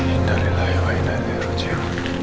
indah rilaih wa indahirrujihu